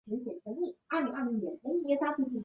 塔皮拉伊是巴西圣保罗州的一个市镇。